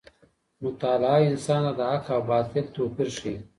مطالعه انسان ته د حق او باطل توپیر ښيي.